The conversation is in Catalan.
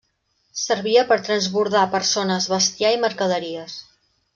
Servia per transbordar persones, bestiar i mercaderies.